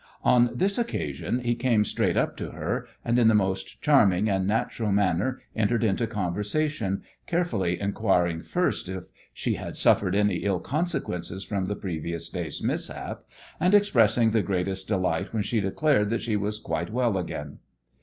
On this occasion he came straight up to her, and in the most charming and natural manner entered into conversation, carefully inquiring first if she had suffered any ill consequences from the previous day's mishap, and expressing the greatest delight when she declared that she was quite well again.